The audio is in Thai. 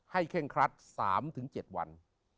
ให้เค่งครัด๓๗วัน